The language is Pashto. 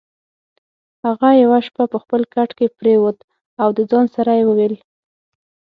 هغه یوه شپه په خپل کټ کې پرېوت او د ځان سره یې وویل: